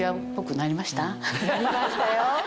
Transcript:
なりましたよ。